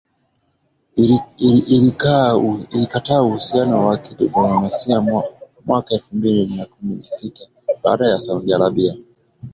ilikata uhusiano wa kidiplomasia mwaka elfu mbili na kumi na sita baada ya Saudi Arabia